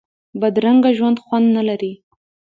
بدرنګه ژوند خوند نه لري